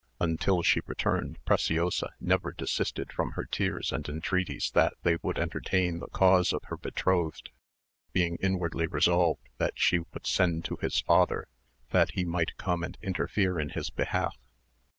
Until she returned, Preciosa never desisted from her tears and entreaties that they would entertain the cause of her betrothed, being inwardly resolved that she would send to his father that he might come and interfere in his behalf.